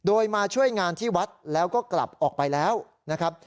โดยมาช่วยงานที่วัดแล้วก็กลับออกไปแล้วนะครับ